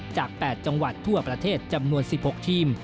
จาก๘จังหวัดทั่วประเทศจำนวน๑๖ทีม